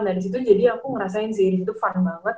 nah disitu jadi aku ngerasain sih itu fun banget